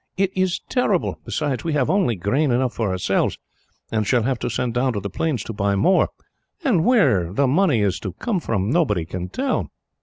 It is terrible. Besides, we have only grain enough for ourselves, and shall have to send down to the plains to buy more; and where the money is to come from, nobody can tell."